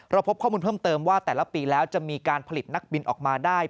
พบข้อมูลเพิ่มเติมว่าแต่ละปีแล้วจะมีการผลิตนักบินออกมาได้